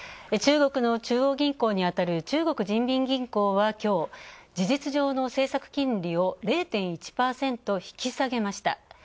中国の中央銀行にあたる中国人民銀行は、きょう、事実上の政策金利を０．１％引き下げました。